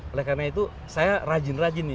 oleh karena itu saya rajin rajin nih